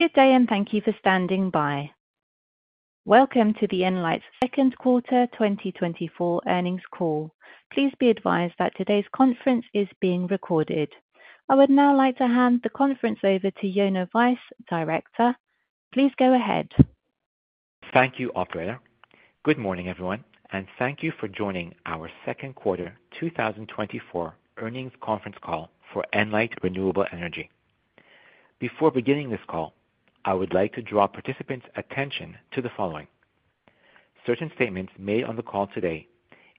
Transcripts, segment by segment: Good day, and thank you for standing by. Welcome to the Enlight Second Quarter 2024 Earnings Call. Please be advised that today's conference is being recorded. I would now like to hand the conference over to Yonah Weisz, Director. Please go ahead. Thank you, operator. Good morning, everyone, and thank you for joining our second quarter 2024 earnings conference call for Enlight Renewable Energy. Before beginning this call, I would like to draw participants' attention to the following. Certain statements made on the call today,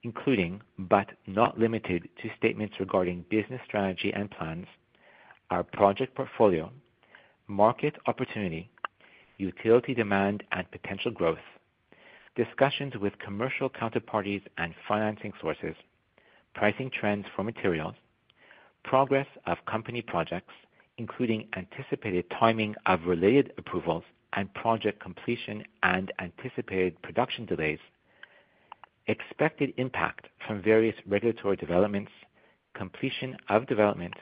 including, but not limited to, statements regarding business strategy and plans, our project portfolio, market opportunity, utility demand and potential growth, discussions with commercial counterparties and financing sources, pricing trends for materials, progress of company projects, including anticipated timing of related approvals and project completion and anticipated production delays, expected impact from various regulatory developments, completion of development,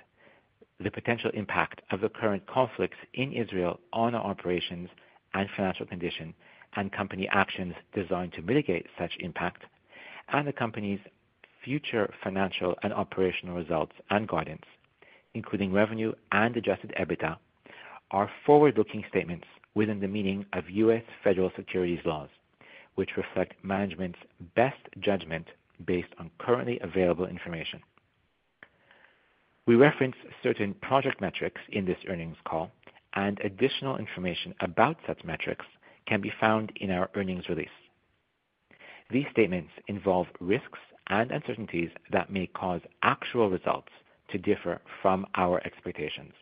the potential impact of the current conflicts in Israel on our operations and financial condition, and company actions designed to mitigate such impact, and the company's future financial and operational results and guidance, including revenue and adjusted EBITDA, are forward-looking statements within the meaning of U.S. federal securities laws, which reflect management's best judgment based on currently available information. We reference certain project metrics in this earnings call, and additional information about such metrics can be found in our earnings release. These statements involve risks and uncertainties that may cause actual results to differ from our expectations.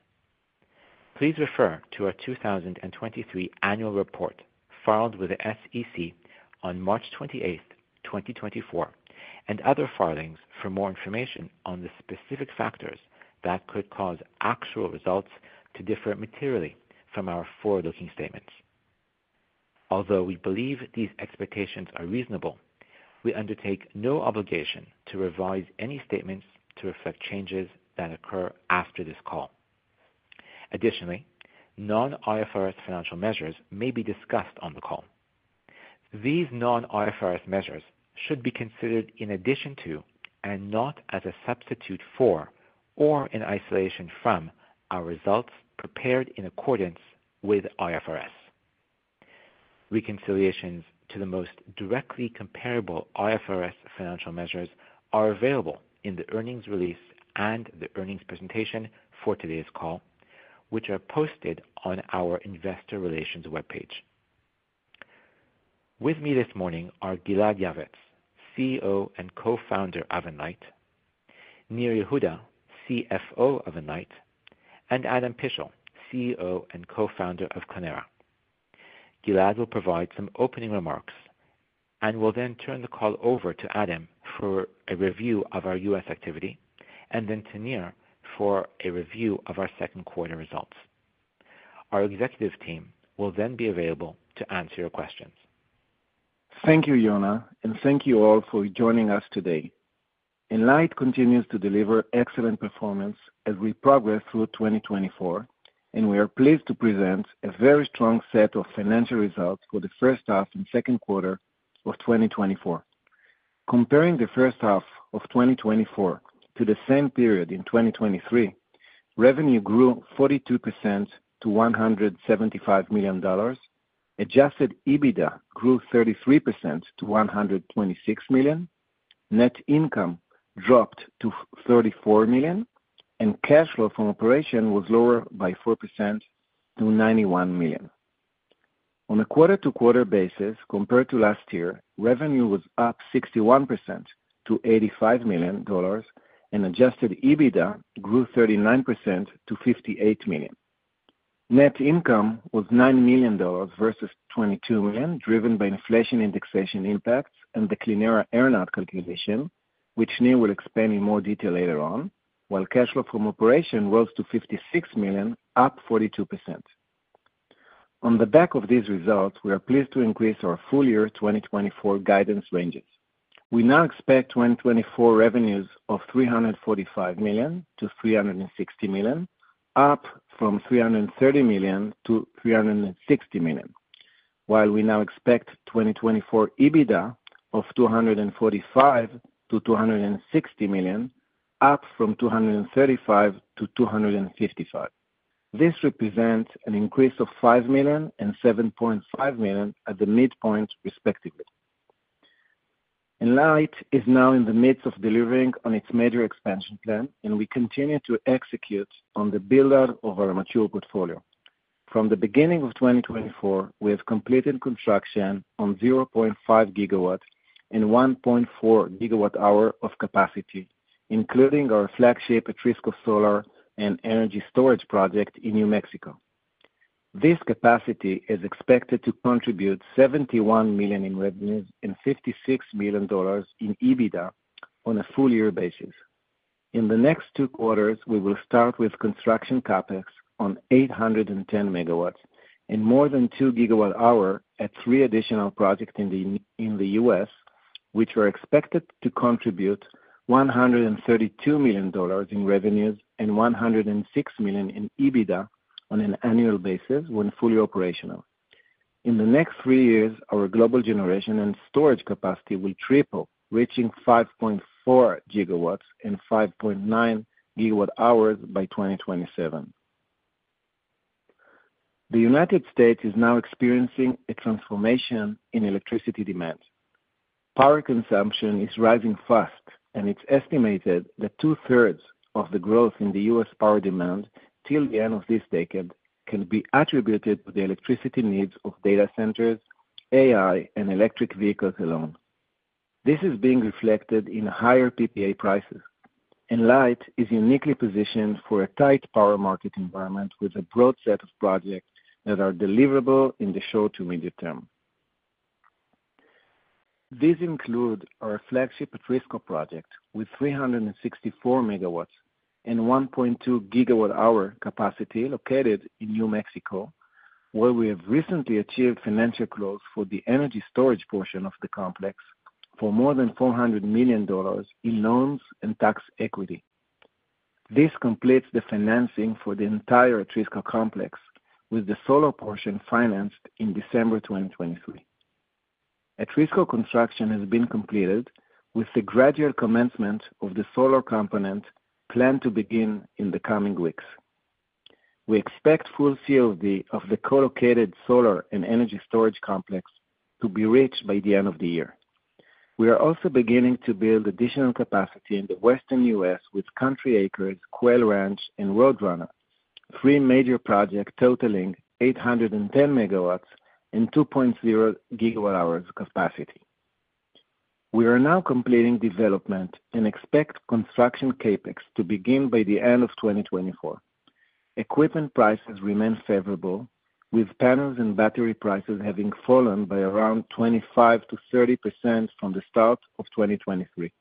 Please refer to our 2023 annual report, filed with the SEC on March 28, 2024, and other filings for more information on the specific factors that could cause actual results to differ materially from our forward-looking statements. Although we believe these expectations are reasonable, we undertake no obligation to revise any statements to reflect changes that occur after this call. Additionally, non-IFRS financial measures may be discussed on the call. These non-IFRS measures should be considered in addition to, and not as a substitute for, or in isolation from, our results prepared in accordance with IFRS. Reconciliations to the most directly comparable IFRS financial measures are available in the earnings release and the earnings presentation for today's call, which are posted on our investor relations webpage. With me this morning are Gilad Yavetz, CEO and co-founder of Enlight, Nir Yehuda, CFO of Enlight, and Adam Pishl, CEO and co-founder of Clenera. Gilad will provide some opening remarks, and we'll then turn the call over to Adam for a review of our U.S. activity, and then to Nir for a review of our second quarter results. Our executive team will then be available to answer your questions. Thank you, Yonah, and thank you all for joining us today. Enlight continues to deliver excellent performance as we progress through 2024, and we are pleased to present a very strong set of financial results for the first half and second quarter of 2024. Comparing the first half of 2024 to the same period in 2023, revenue grew 42% to $175 million. Adjusted EBITDA grew 33% to $126 million. Net income dropped to thirty-four million, and cash flow from operation was lower by 4% to $91 million. On a quarter-to-quarter basis, compared to last year, revenue was up 61% to $85 million, and adjusted EBITDA grew 39% to $58 million. Net income was $9 million versus $22 million, driven by inflation indexation impacts and the Clenera earnout calculation, which Nir will expand in more detail later on, while cash flow from operations rose to $56 million, up 42%. On the back of these results, we are pleased to increase our full year 2024 guidance ranges. We now expect 2024 revenues of $345 million-$360 million, up from $330 million-$360 million. While we now expect 2024 EBITDA of $245 million-$260 million, up from $235 million-$255 million. This represents an increase of $5 million and $7.5 million at the midpoint, respectively. Enlight is now in the midst of delivering on its major expansion plan, and we continue to execute on the build-out of our mature portfolio. From the beginning of 2024, we have completed construction on 0.5 GW and 1.4 GWh of capacity, including our flagship Atrisco Solar and Energy Storage project in New Mexico. This capacity is expected to contribute $71 million in revenues and $56 million in EBITDA on a full year basis. In the next two quarters, we will start with construction CapEx on 810 MW and more than 2 GWh at three additional projects in the US, which were expected to contribute $132 million in revenues and $106 million in EBITDA on an annual basis when fully operational. In the next three years, our global generation and storage capacity will triple, reaching 5.4 gigawatts and 5.9 gigawatt hours by 2027. The United States is now experiencing a transformation in electricity demand. Power consumption is rising fast, and it's estimated that two-thirds of the growth in the US power demand till the end of this decade can be attributed to the electricity needs of data centers, AI, and electric vehicles alone. This is being reflected in higher PPA prices, and Enlight is uniquely positioned for a tight power market environment with a broad set of projects that are deliverable in the short to medium term. These include our flagship Atrisco project, with 364 MW and 1.2 GWh capacity, located in New Mexico, where we have recently achieved financial close for the energy storage portion of the complex for more than $400 million in loans and tax equity. This completes the financing for the entire Atrisco complex, with the solar portion financed in December 2023. Atrisco construction has been completed, with the gradual commencement of the solar component planned to begin in the coming weeks. We expect full COD of the co-located solar and energy storage complex to be reached by the end of the year. We are also beginning to build additional capacity in the western U.S. with Country Acres, Quail Ranch, and Roadrunner, three major projects totaling 810 MW and 2.0 GWh capacity. We are now completing development and expect construction CapEx to begin by the end of 2024. Equipment prices remain favorable, with panels and battery prices having fallen by around 25%-30% from the start of 2023.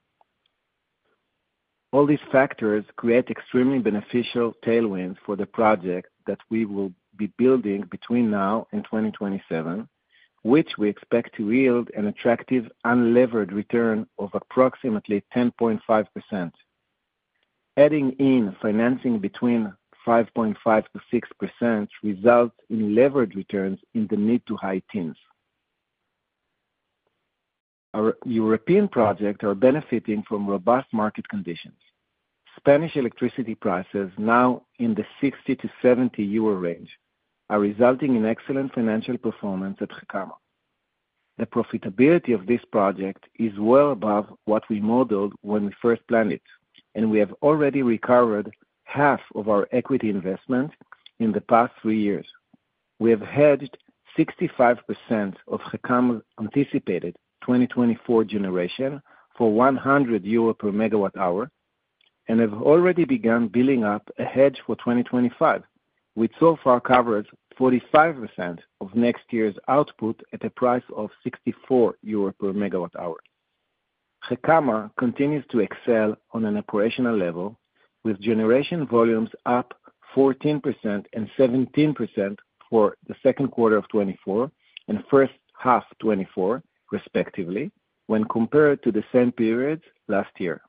All these factors create extremely beneficial tailwinds for the project that we will be building between now and 2027, which we expect to yield an attractive unlevered return of approximately 10.5%. Adding in financing between 5.5%-6% results in levered returns in the mid to high teens. Our European project are benefiting from robust market conditions. Spanish electricity prices, now in the 60-70 euro range, are resulting in excellent financial performance at Gecama. The profitability of this project is well above what we modeled when we first planned it, and we have already recovered half of our equity investment in the past three years. We have hedged 65% of Gecama's anticipated 2024 generation for 100 euro per MWh and have already begun building up a hedge for 2025, which so far covers 45% of next year's output at a price of 64 euro per MWh. Gecama continues to excel on an operational level, with generation volumes up 14% and 17% for the second quarter of 2024 and first half 2024, respectively, when compared to the same periods last year.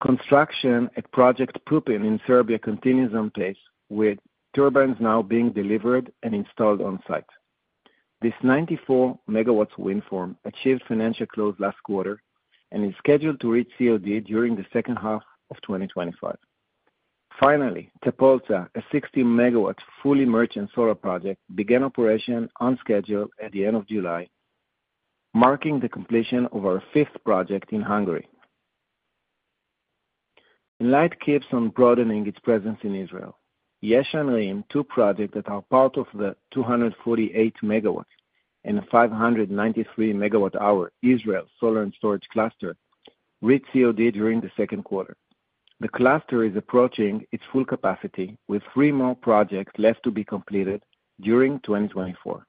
Construction at Project Pupin in Serbia continues on pace, with turbines now being delivered and installed on-site. This 94-MW wind farm achieved financial close last quarter and is scheduled to reach COD during the second half of 2025. Finally, Tapolca, a 60-MW fully merchant solar project, began operation on schedule at the end of July, marking the completion of our fifth project in Hungary. Enlight keeps on broadening its presence in Israel. Sde Nitzan and Reem, two projects that are part of the 248 MW and 593 MWh Israel Solar and Storage Cluster, reached COD during the second quarter. The cluster is approaching its full capacity, with three more projects left to be completed during 2024.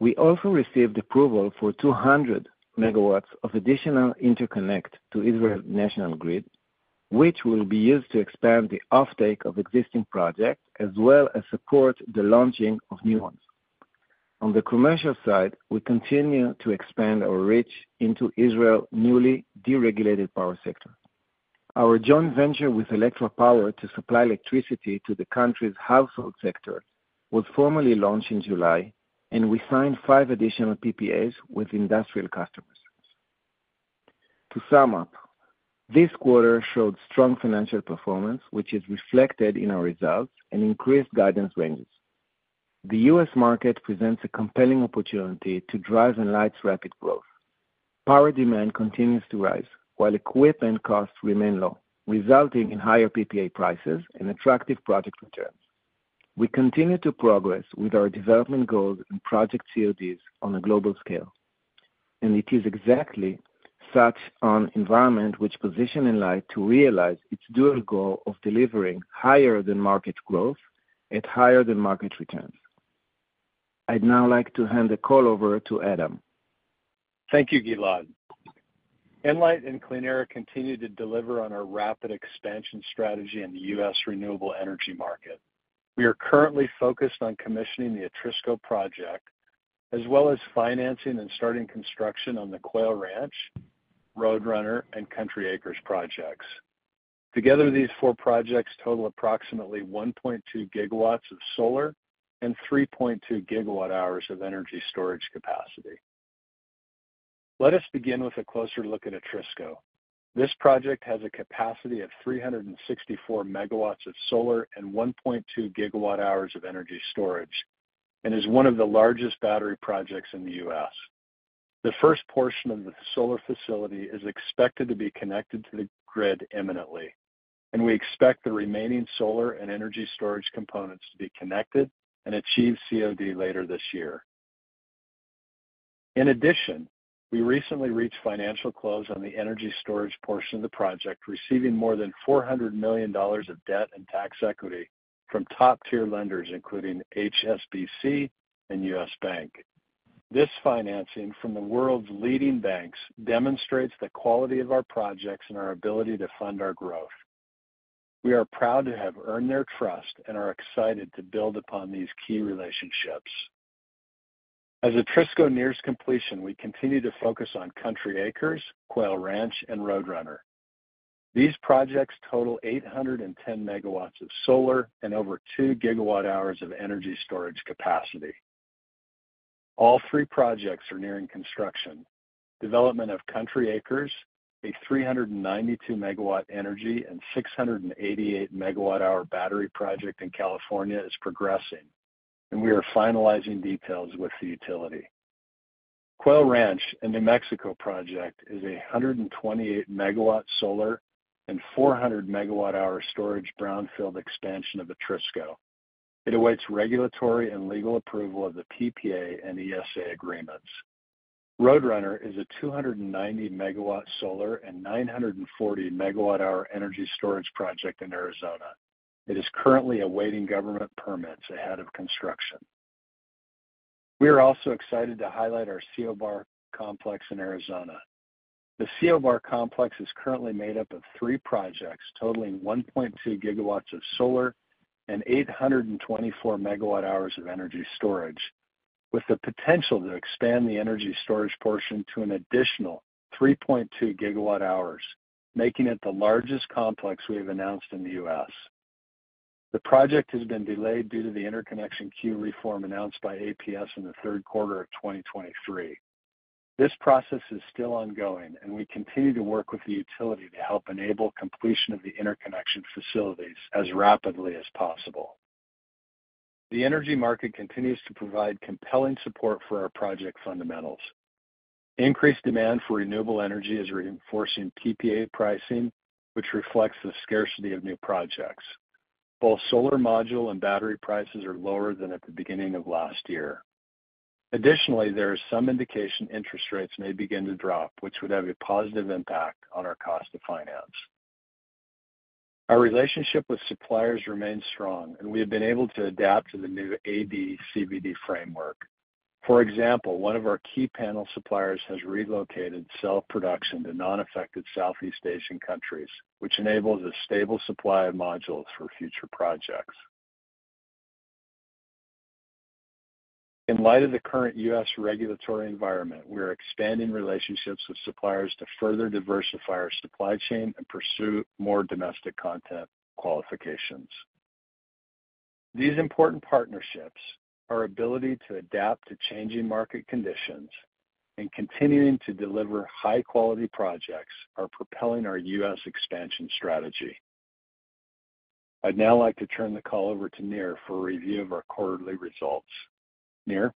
We also received approval for 200 MW of additional interconnect to Israel's national grid, which will be used to expand the offtake of existing projects, as well as support the launching of new ones. On the commercial side, we continue to expand our reach into Israel's newly deregulated power sector. Our joint venture with Electra Power to supply electricity to the country's household sector was formally launched in July, and we signed five additional PPAs with industrial customers. To sum up, this quarter showed strong financial performance, which is reflected in our results and increased guidance ranges. The U.S. market presents a compelling opportunity to drive Enlight's rapid growth. Power demand continues to rise while equipment costs remain low, resulting in higher PPA prices and attractive project returns. We continue to progress with our development goals and project CODs on a global scale, and it is exactly such an environment which position Enlight to realize its dual goal of delivering higher than market growth at higher than market returns. I'd now like to hand the call over to Adam. Thank you, Gilad. Enlight and Clenera continue to deliver on our rapid expansion strategy in the U.S. renewable energy market. We are currently focused on commissioning the Atrisco project, as well as financing and starting construction on the Quail Ranch, Roadrunner, and Country Acres projects. Together, these four projects total approximately 1.2 GW of solar and 3.2 GWh of energy storage capacity. Let us begin with a closer look at Atrisco. This project has a capacity of 364 MW of solar and 1.2 GWh of energy storage, and is one of the largest battery projects in the U.S. The first portion of the solar facility is expected to be connected to the grid imminently, and we expect the remaining solar and energy storage components to be connected and achieve COD later this year. In addition, we recently reached financial close on the energy storage portion of the project, receiving more than $400 million of debt and tax equity from top-tier lenders, including HSBC and U.S. Bank. This financing from the world's leading banks demonstrates the quality of our projects and our ability to fund our growth. We are proud to have earned their trust and are excited to build upon these key relationships. As Atrisco nears completion, we continue to focus on Country Acres, Quail Ranch, and Roadrunner. These projects total 810 MW of solar and over 2 GWh of energy storage capacity. All three projects are nearing construction. Development of Country Acres, a 392-megawatt energy and 688 MWh battery project in California, is progressing, and we are finalizing details with the utility. Quail Ranch, a New Mexico project, is a 128-MW solar and 400-MWh storage brownfield expansion of Atrisco. It awaits regulatory and legal approval of the PPA and ESA agreements. Roadrunner is a 290-MW solar and 940-MWh energy storage project in Arizona. It is currently awaiting government permits ahead of construction. We are also excited to highlight our CO Bar Complex in Arizona. The CO Bar Complex is currently made up of 3 projects totaling 1.2 GW of solar and 824 MWh of energy storage, with the potential to expand the energy storage portion to an additional 3.2 GWh, making it the largest complex we have announced in the U.S. The project has been delayed due to the interconnection queue reform announced by APS in the third quarter of 2023. This process is still ongoing, and we continue to work with the utility to help enable completion of the interconnection facilities as rapidly as possible. The energy market continues to provide compelling support for our project fundamentals. Increased demand for renewable energy is reinforcing PPA pricing, which reflects the scarcity of new projects. Both solar module and battery prices are lower than at the beginning of last year. Additionally, there is some indication interest rates may begin to drop, which would have a positive impact on our cost to finance. Our relationship with suppliers remains strong, and we have been able to adapt to the new AD/CVD framework. For example, one of our key panel suppliers has relocated cell production to nonaffected Southeast Asian countries, which enables a stable supply of modules for future projects. In light of the current U.S. regulatory environment, we are expanding relationships with suppliers to further diversify our supply chain and pursue more domestic content qualifications. These important partnerships, our ability to adapt to changing market conditions, and continuing to deliver high-quality projects, are propelling our U.S. expansion strategy. I'd now like to turn the call over to Nir for a review of our quarterly results. Nir?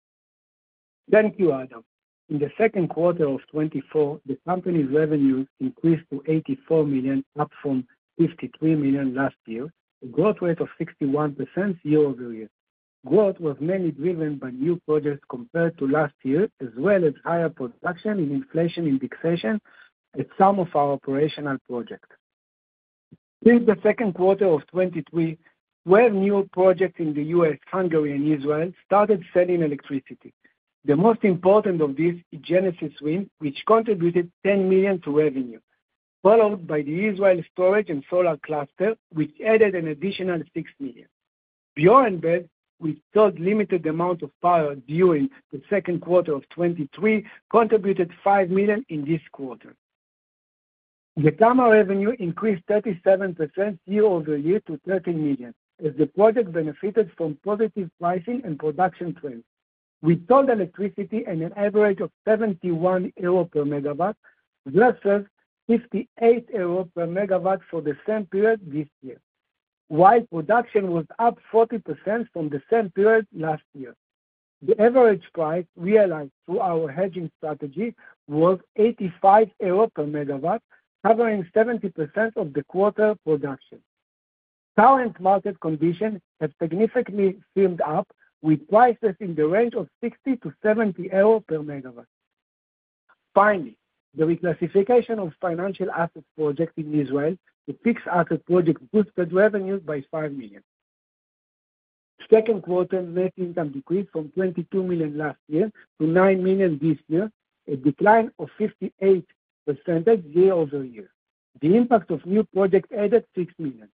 Thank you, Adam. In the second quarter of 2024, the company's revenues increased to $84 million, up from $53 million last year, a growth rate of 61% year-over-year. Growth was mainly driven by new projects compared to last year, as well as higher production and inflation indexation at some of our operational projects. Since the second quarter of 2023, 12 new projects in the U.S., Hungary, and Israel started selling electricity. The most important of these is Genesis Wind, which contributed $10 million to revenue, followed by the Israel storage and solar cluster, which added an additional $6 million. Beyond that, we sold limited amount of power during the second quarter of 2023, contributed $5 million in this quarter. The Gecama revenue increased 37% year-over-year to $13 million, as the project benefited from positive pricing and production trends. We sold electricity at an average of 71 euro per megawatt, versus 58 euro per megawatt for the same period this year, while production was up 40% from the same period last year. The average price realized through our hedging strategy was 85 euro per megawatt, covering 70% of the quarter production. Current market conditions have significantly firmed up, with prices in the range of 60-70 euro per megawatt. Finally, the reclassification of financial assets projects in Israel to fixed asset projects boosted revenue by $5 million. Second quarter net income decreased from $22 million last year to $9 million this year, a decline of 58% year-over-year. The impact of new projects added $6 million.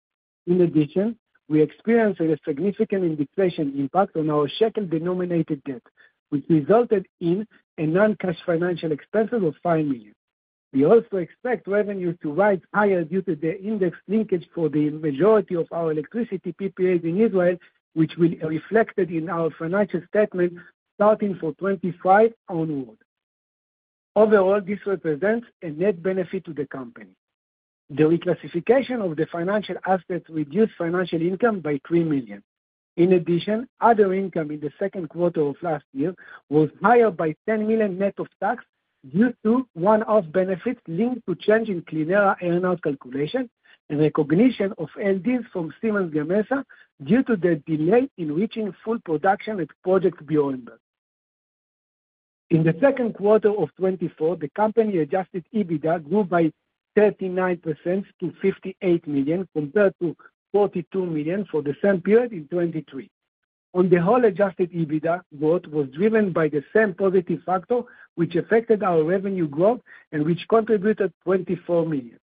In addition, we experienced a significant inflation impact on our shekel-denominated debt, which resulted in a non-cash financial expenses of $5 million. We also expect revenue to rise higher due to the index linkage for the majority of our electricity PPAs in Israel, which will be reflected in our financial statements starting for 2025 onward. Overall, this represents a net benefit to the company. The reclassification of the financial assets reduced financial income by $3 million. In addition, other income in the second quarter of last year was higher by $10 million net of tax due to one-off benefits linked to change in Clenera earnout calculation and recognition of LDs from Siemens Gamesa due to the delay in reaching full production at Project Björn. In the second quarter of 2024, the company's adjusted EBITDA grew by 39% to $58 million, compared to $42 million for the same period in 2023. On the whole, adjusted EBITDA growth was driven by the same positive factor, which affected our revenue growth and which contributed $24 million.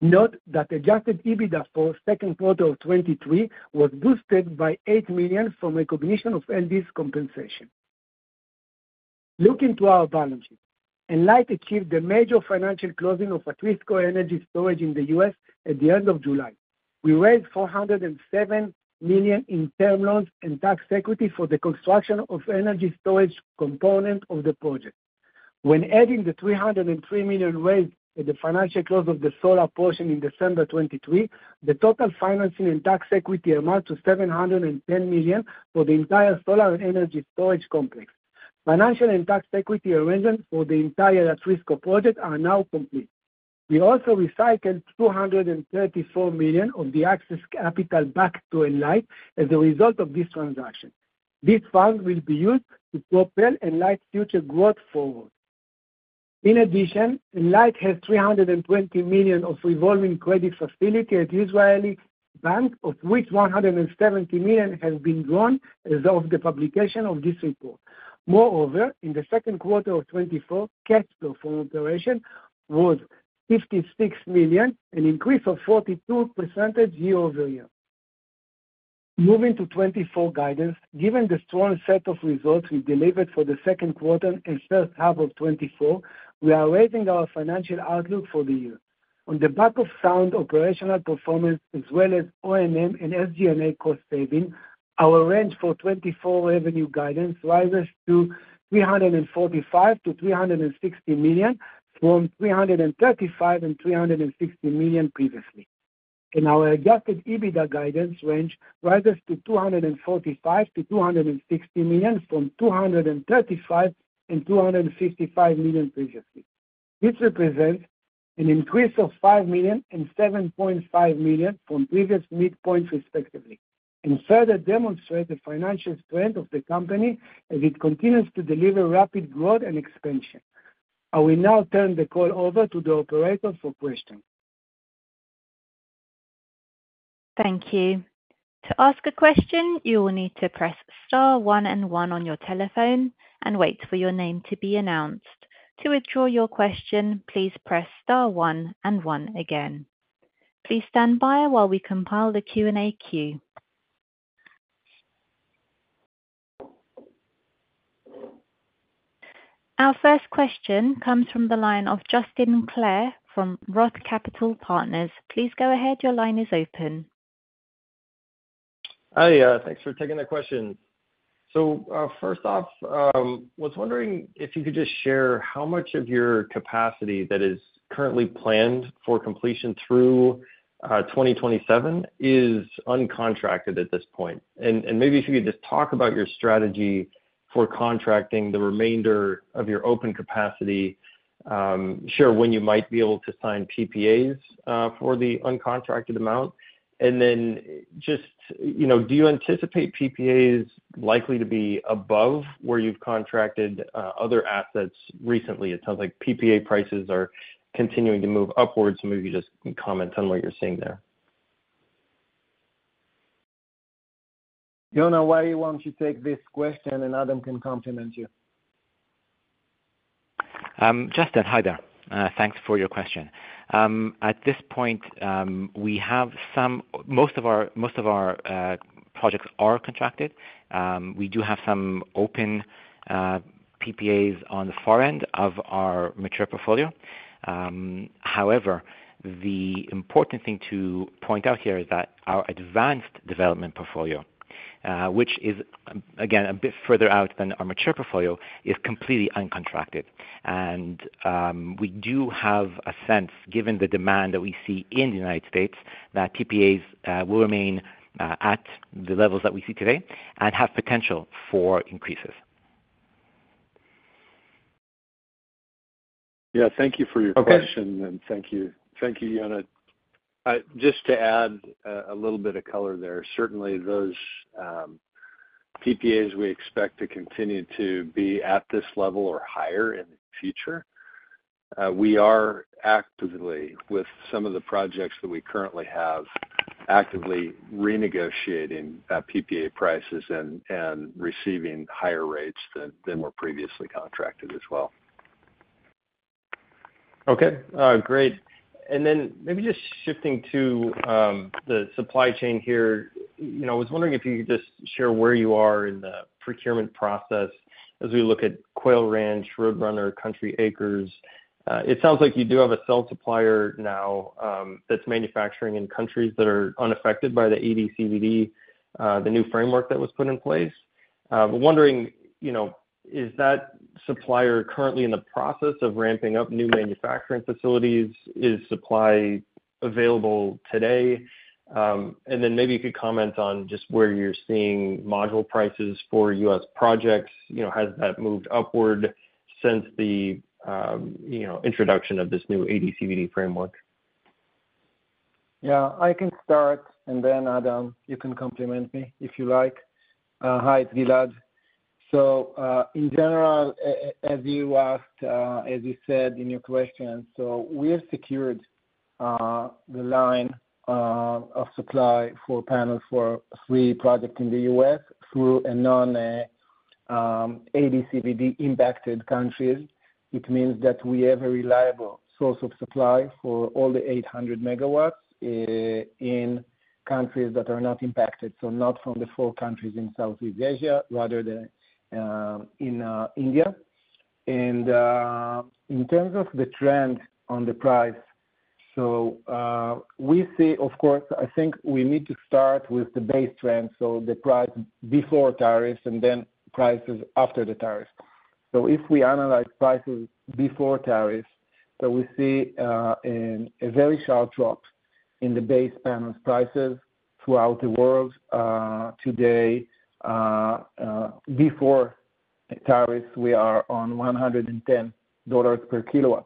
Note that adjusted EBITDA for second quarter of 2023 was boosted by $8 million from recognition of LDs compensation. Looking to our balance sheet, Enlight achieved a major financial closing of Atrisco Energy Storage in the US at the end of July. We raised $407 million in term loans and tax equity for the construction of energy storage component of the project. When adding the $303 million raised at the financial close of the solar portion in December 2023, the total financing and tax equity amount to $710 million for the entire solar and energy storage complex. Financial and tax equity arrangement for the entire Atrisco project are now complete. We also recycled $234 million of the excess capital back to Enlight as a result of this transaction. These funds will be used to propel Enlight's future growth forward. In addition, Enlight has $320 million of revolving credit facility at the Israeli bank, of which $170 million has been drawn as of the publication of this report. Moreover, in the second quarter of 2024, cash flow from operation was $56 million, an increase of 42% year-over-year. Moving to 2024 guidance. Given the strong set of results we delivered for the second quarter and first half of 2024, we are raising our financial outlook for the year. On the back of sound operational performance, as well as O&M and SG&A cost saving, our range for 2024 revenue guidance rises to $345 million-$360 million, from $335 million and $360 million previously. Our adjusted EBITDA guidance range rises to $245 million-$260 million, from $235 million and $255 million previously. This represents an increase of $5 million and $7.5 million from previous midpoints, respectively, and further demonstrate the financial strength of the company as it continues to deliver rapid growth and expansion. I will now turn the call over to the operator for questions. Thank you. To ask a question, you will need to press star one and one on your telephone and wait for your name to be announced. To withdraw your question, please press star one and one again. Please stand by while we compile the Q&A queue. Our first question comes from the line Justin Clare from ROTH Capital Partners. Please go ahead. Your line is open. Hi, thanks for taking the question. So, first off, was wondering if you could just share how much of your capacity that is currently planned for completion through 2027 is uncontracted at this point? And, and maybe if you could just talk about your strategy for contracting the remainder of your open capacity, share when you might be able to sign PPAs for the uncontracted amount. And then just, you know, do you anticipate PPAs likely to be above where you've contracted other assets recently? It sounds like PPA prices are continuing to move upwards. Maybe you just comment on what you're seeing there. Yonah, why don't you take this question and Adam can complement you? Justin, hi there. Thanks for your question. At this point, we have some. Most of our, most of our, projects are contracted. We do have some open, PPAs on the far end of our mature portfolio. However, the important thing to point out here is that our advanced development portfolio, which is, again, a bit further out than our mature portfolio, is completely uncontracted. And, we do have a sense, given the demand that we see in the United States, that PPAs, will remain, at the levels that we see today and have potential for increases. Yeah, thank you for your question. Okay. And thank you. Thank you, Yonah. Just to add, a little bit of color there, certainly those, PPAs, we expect to continue to be at this level or higher in the future. we are actively, with some of the projects that we currently have, actively renegotiating PPA prices and receiving higher rates than were previously contracted as well. Okay. Great. And then maybe just shifting to the supply chain here. You know, I was wondering if you could just share where you are in the procurement process as we look at Quail Ranch, Roadrunner, Country Acres. It sounds like you do have a cell supplier now, that's manufacturing in countries that are unaffected by the AD/CVD, the new framework that was put in place. But wondering, you know, is that supplier currently in the process of ramping up new manufacturing facilities? Is supply available today? And then maybe you could comment on just where you're seeing module prices for U.S. projects. You know, has that moved upward since the, you know, introduction of this new AD/CVD framework? Yeah, I can start, and then Adam, you can complement me if you like. Hi, it's Gilad. So, in general, as you asked, as you said in your question, so we have secured the line of supply for panel for three projects in the U.S. through non AD/CVD-impacted countries. It means that we have a reliable source of supply for all the 800 MW in countries that are not impacted, so not from the four countries in Southeast Asia, rather than in India. In terms of the trend on the price, so we see, of course, I think we need to start with the base trend, so the price before tariffs and then prices after the tariffs. So if we analyze prices before tariffs, we see a very sharp drop in the base panels prices throughout the world. Today, before tariffs, we are on $110 per kilowatt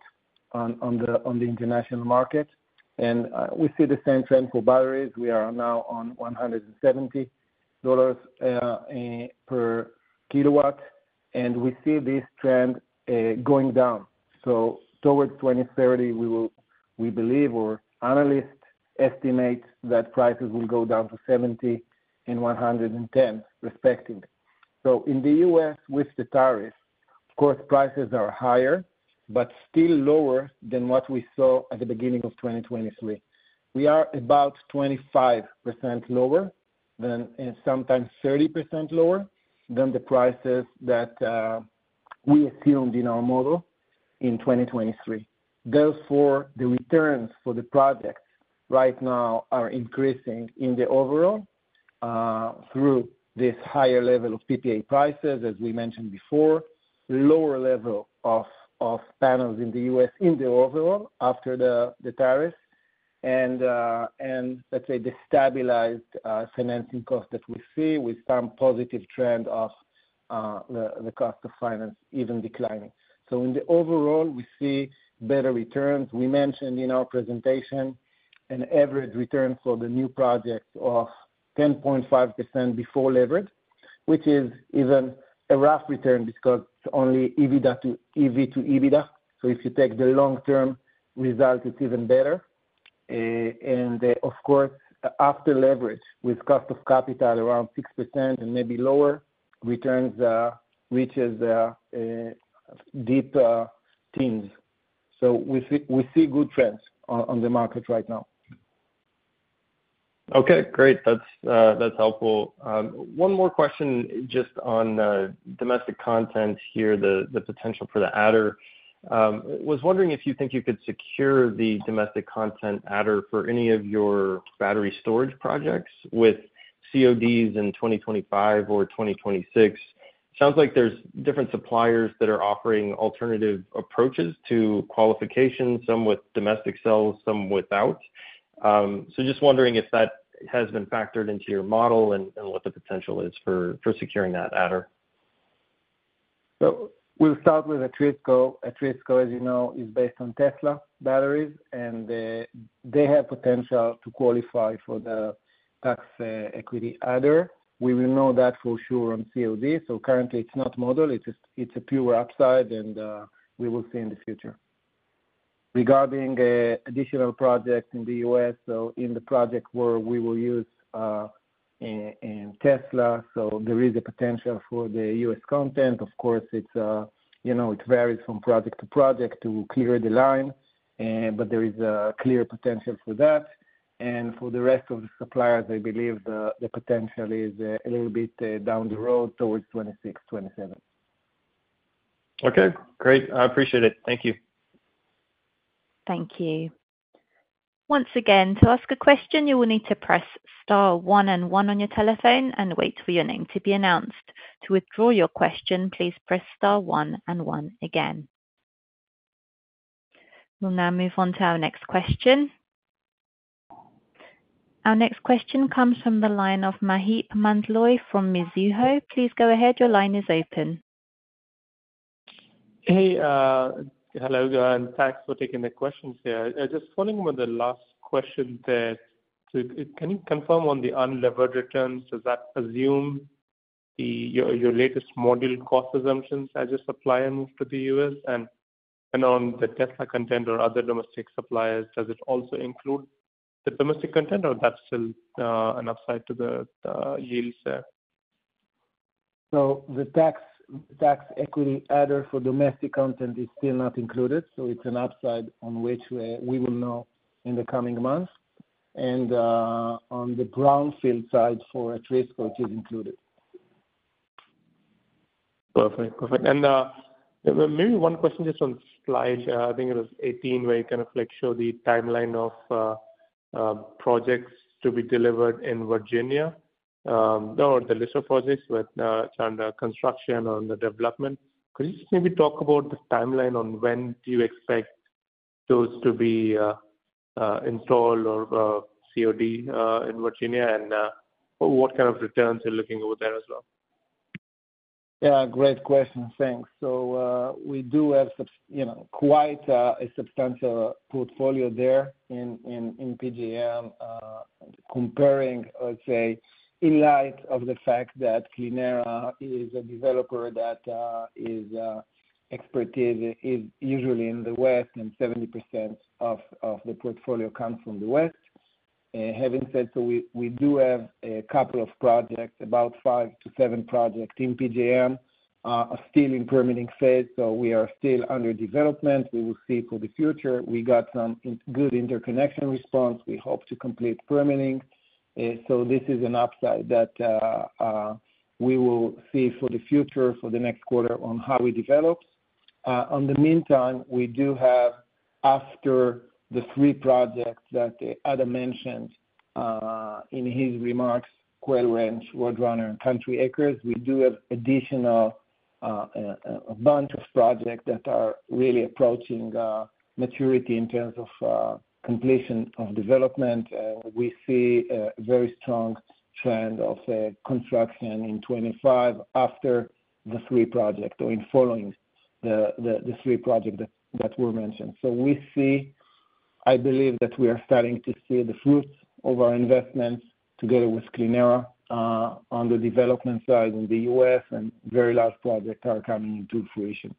on the international market. And we see the same trend for batteries. We are now on $170 per kilowatt, and we see this trend going down. So towards 2030, we will we believe or analysts estimate that prices will go down to 70 and 110, respectively. So in the US, with the tariffs, of course, prices are higher, but still lower than what we saw at the beginning of 2023. We are about 25% lower than, and sometimes 30% lower than the prices that we assumed in our model in 2023. Therefore, the returns for the projects right now are increasing in the overall through this higher level of PPA prices, as we mentioned before, lower level of panels in the U.S. in the overall, after the tariffs, and, let's say, the stabilized financing cost that we see with some positive trend of the cost of finance even declining. So in the overall, we see better returns. We mentioned in our presentation an average return for the new project of 10.5% before leverage, which is even a rough return because it's only EBITDA to EV to EBITDA. So if you take the long-term result, it's even better. And of course, after leverage, with cost of capital around 6% and maybe lower, returns deep teens. So we see, we see good trends on, on the market right now. Okay, great. That's, that's helpful. One more question, just on domestic content here, the potential for the adder. Was wondering if you think you could secure the domestic content adder for any of your battery storage projects with CODs in 2025 or 2026. Sounds like there's different suppliers that are offering alternative approaches to qualification, some with domestic cells, some without. So just wondering if that has been factored into your model and what the potential is for securing that adder. So we'll start with Atrisco. Atrisco, as you know, is based on Tesla batteries, and they have potential to qualify for the tax equity adder. We will know that for sure on COD, so currently it's not modeled, it's just a pure upside, and we will see in the future. Regarding additional projects in the U.S., so in the project where we will use Tesla, so there is a potential for the U.S. content. Of course, it's you know, it varies from project to project to clear the line, but there is a clear potential for that. And for the rest of the suppliers, I believe the potential is a little bit down the road towards 2026, 2027. Okay, great. I appreciate it. Thank you. Thank you. Once again, to ask a question, you will need to press star one and one on your telephone and wait for your name to be announced. To withdraw your question, please press star one and one again. We'll now move on to our next question. Our next question comes from the line of Maheep Mandloi from Mizuho. Please go ahead, your line is open. Hey, hello there, and thanks for taking the questions here. I just following on the last question there, so can you confirm on the unlevered returns, does that assume the your latest module cost assumptions as a supplier move to the US, and on the Tesla content or other domestic suppliers, does it also include the domestic content, or that's still an upside to the yields there? So the tax, tax equity adder for domestic content is still not included, so it's an upside on which we will know in the coming months. And on the brownfield side for Atrisco, which is included. Perfect. Perfect. And, maybe one question just on slide, I think it was 18, where you kind of like show the timeline of, projects to be delivered in Virginia. No, the list of projects with, it's under construction on the development. Could you just maybe talk about the timeline on when do you expect those to be, installed or, COD, in Virginia? And, what kind of returns you're looking over there as well? Yeah, great question. Thanks. So, we do have you know, quite a substantial portfolio there in PJM, comparing, I would say, in light of the fact that Clenera is a developer that is expertise is usually in the West, and 70% of the portfolio comes from the West. Having said so we do have a couple of projects, about 5-7 projects in PJM are still in permitting phase, so we are still under development. We will see for the future. We got some good interconnection response. We hope to complete permitting. So this is an upside that we will see for the future, for the next quarter on how we develop. In the meantime, we do have, after the three projects that Adam mentioned in his remarks, Quail Ranch, Roadrunner, and Country Acres, we do have additional, a bunch of projects that are really approaching maturity in terms of completion of development. We see a very strong trend of construction in 2025, after the three projects, or in following the three projects that were mentioned. So we see. I believe that we are starting to see the fruits of our investments together with Clenera on the development side in the US, and very large projects are coming to fruition.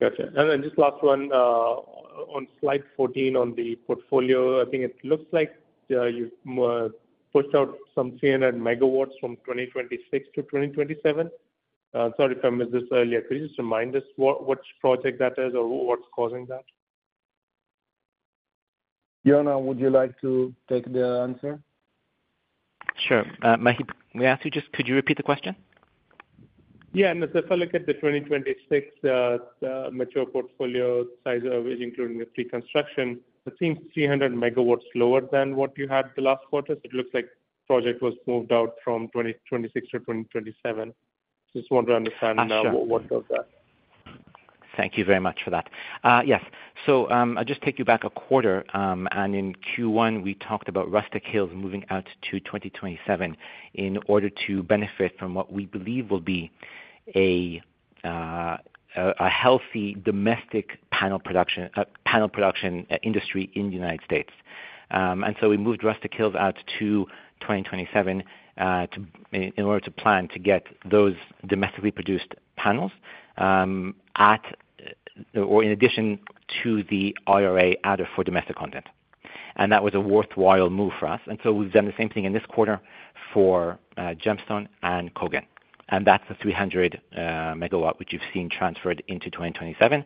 Gotcha. And then just last one, on slide 14, on the portfolio, I think it looks like you pushed out some 300 MW from 2026 to 2027. Sorry if I missed this earlier. Could you just remind us what, which project that is or what's causing that? Yonah, would you like to take the answer? Sure. Maheep, may I ask you just, could you repeat the question? Yeah, and as I look at the 2026, mature portfolio size, including the pre-construction, I think 300 MW lower than what you had the last quarter. So it looks like project was moved out from 2026 to 2027. Just want to understand, what does that. Thank you very much for that. Yes. So, I'll just take you back a quarter, and in Q1, we talked about Rustic Hills moving out to 2027 in order to benefit from what we believe will be a healthy domestic panel production industry in the United States. And so we moved Rustic Hills out to 2027 to in order to plan to get those domestically produced panels at, or in addition to the IRA adder for domestic content. And that was a worthwhile move for us. And so we've done the same thing in this quarter for Gemstone and Cogan, and that's the 300 MW which you've seen transferred into 2027.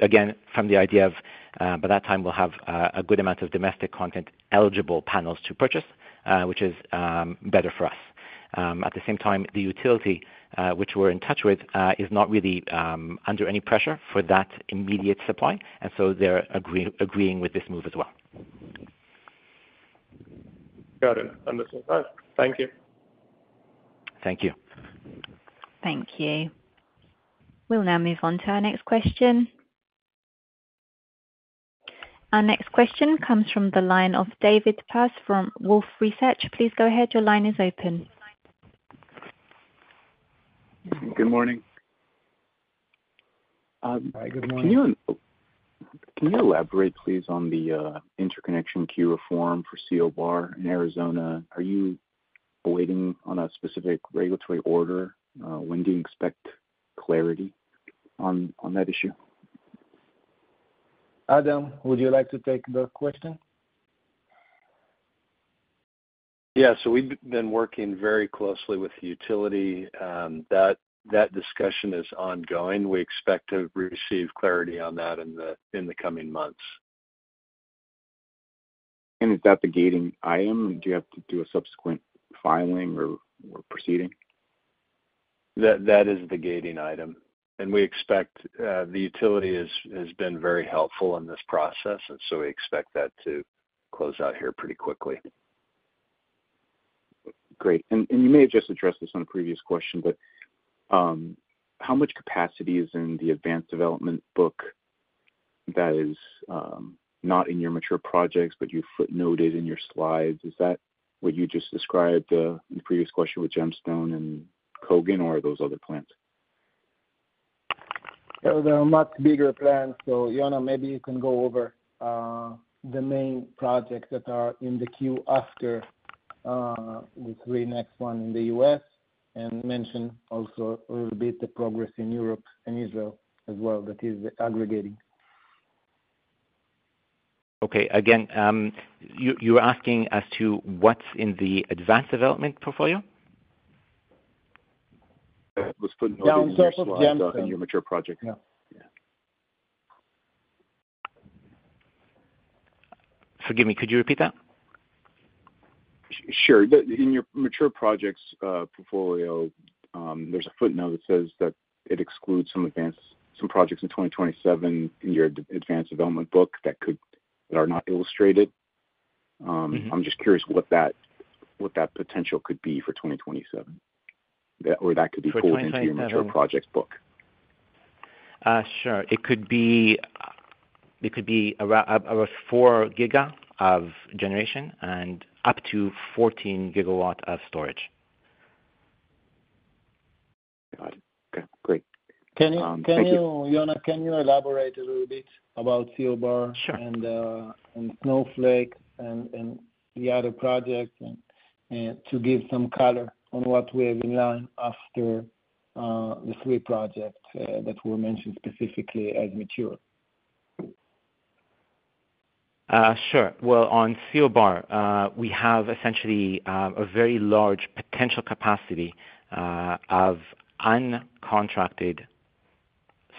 Again, from the idea of, by that time, we'll have a good amount of domestic content-eligible panels to purchase, which is better for us. At the same time, the utility, which we're in touch with, is not really under any pressure for that immediate supply, and so they're agreeing with this move as well. Got it. Understand that. Thank you. Thank you. Thank you. We'll now move on to our next question. Our next question comes from the line of David Paz from Wolfe Research. Please go ahead. Your line is open. Good morning. Good morning. Can you, can you elaborate, please, on the, interconnection queue reform for CO Bar in Arizona? Are you waiting on a specific regulatory order? When do you expect clarity on, on that issue? Adam, would you like to take the question? Yeah. So we've been working very closely with the utility, that discussion is ongoing. We expect to receive clarity on that in the coming months. Is that the gating item, or do you have to do a subsequent filing or proceeding? That is the gating item, and we expect the utility has been very helpful in this process, and so we expect that to close out here pretty quickly. Great. And you may have just addressed this on a previous question, but how much capacity is in the advanced development book that is not in your mature projects, but you footnoted in your slides? Is that what you just described in the previous question with Gemstone and Cogan, or are those other plants? There are much bigger plans, so, Yonah, maybe you can go over, the main projects that are in the queue after, the three next one in the US, and mention also a little bit the progress in Europe and Israel as well, that is aggregating. Okay. Again, you, you're asking as to what's in the advanced development portfolio? There's a footnote in your slide- Downstairs of- In your mature project. Yeah. Yeah. Forgive me, could you repeat that? Sure. In your mature projects portfolio, there's a footnote that says that it excludes some advanced projects in 2027 in your advanced development book that are not illustrated. I'm just curious what that potential could be for 2027, or that could be pulled- For 2027 into your mature projects book. Sure. It could be, it could be around about 4 giga of generation and up to 14 gigawatt of storage. Got it. Okay, great. Can you- Thank you. Yonah, can you elaborate a little bit about CO Bar? Sure. and Snowflake and the other projects, and to give some color on what we have in line after the three projects that were mentioned specifically as mature? Sure. Well, on CO Bar, we have essentially a very large potential capacity of uncontracted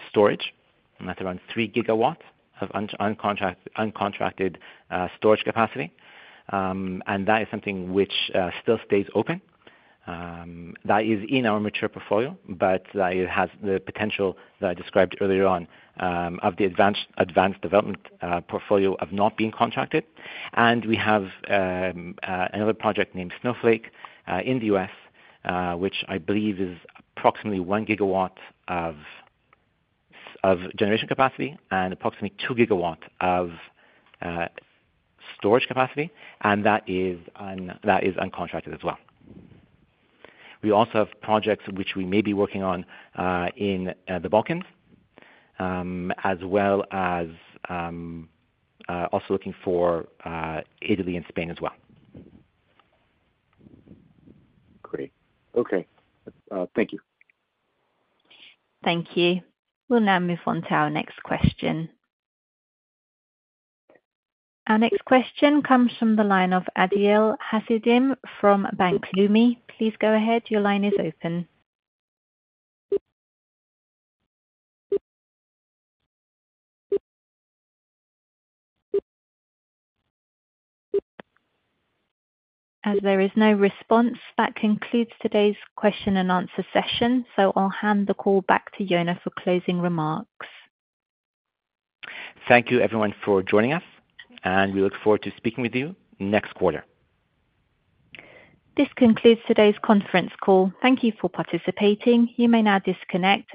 storage, and that's around 3 gigawatts of uncontracted storage capacity. And that is something which still stays open. That is in our mature portfolio, but that it has the potential that I described earlier on of the advanced development portfolio of not being contracted. And we have another project named Snowflake in the U.S., which I believe is approximately 1 gigawatt of generation capacity and approximately 2 gigawatts of storage capacity, and that is uncontracted as well. We also have projects which we may be working on in the Balkans, as well as also looking for Italy and Spain as well. Great. Okay, thank you. Thank you. We'll now move on to our next question. Our next question comes from the line of Adiel Hasidim from Bank Leumi. Please go ahead. Your line is open. As there is no response, that concludes today's question and answer session, so I'll hand the call back to Yonah for closing remarks. Thank you everyone for joining us, and we look forward to speaking with you next quarter. This concludes today's conference call. Thank you for participating. You may now disconnect.